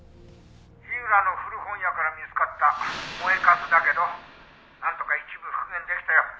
「火浦の古本屋から見つかった燃えかすだけどなんとか一部復元できたよ」